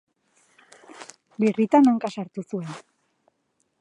Birritan hanka sartu zuen.